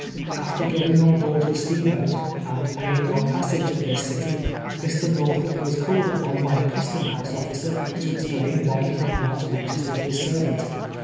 After going on board the steam boat, and paying our passage at this city, Mr. North up was called upon by a custom house officer to ex plain why he had not registered his servant.